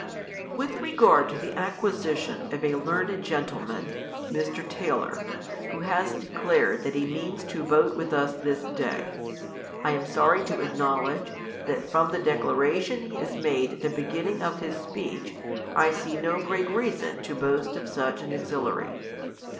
With regard to the acquisition of a learned gentle man, Mr. Taylor, who has declared that he means to vote with us this day, I am son'y to acknowledge, that from the declaration he has made at the beginning of his speech, I see no great reason to boast of such an auxiliary.